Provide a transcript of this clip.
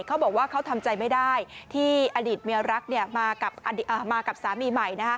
เขาบอกว่าเขาทำใจไม่ได้ที่อดีตเมียรักมากับสามีใหม่